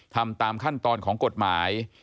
ทำตามขั้นตอนของกฎหมาย